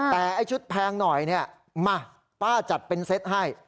แต่ไอ้ชุดแพงหน่อยเนี่ยมาป้าจัดเป็นเซตให้